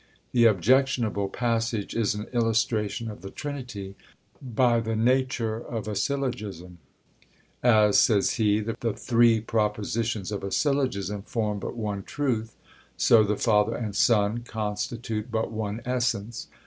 The objectionable passage is an illustration of the Trinity by the nature of a syllogism! "As (says he) the three propositions of a syllogism form but one truth, so the Father and Son constitute but one essence.